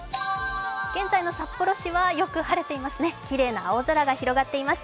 現在の札幌市はよく晴れていますね、きれいな青空が広がっています。